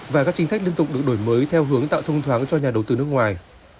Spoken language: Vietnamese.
và các chính sách liên tục được đổi mới theo hướng tạo thông thoáng cho nhà đầu tư nước ngoài